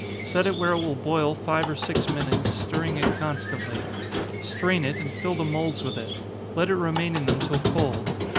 Set it where it will boil five or six minutes, stirring it constantly. Strain it, and fill the moulds with it let it remain in them till cold.